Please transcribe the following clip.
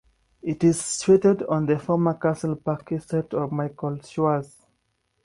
It is situated on the former Castle Park estate of Michael Schwarz.